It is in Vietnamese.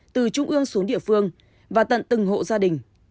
từ trung ương xuống địa phương và tận từng hộ gia đình